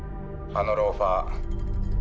あのローファー。